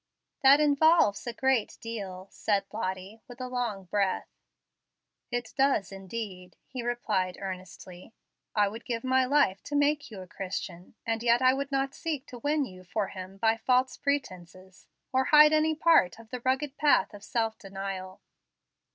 "That involves a great deal," said Lottie, with a long breath. "It does indeed," he replied earnestly. "I would give my life to make you a Christian, and yet I would not seek to win you for Him by false pretences, or hide any part of the rugged path of self denial.